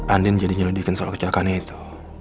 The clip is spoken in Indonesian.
andien jadi nyelidikin soal kecelakaan itu